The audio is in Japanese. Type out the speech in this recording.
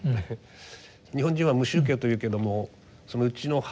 日本人は無宗教と言うけどもうちの母の世代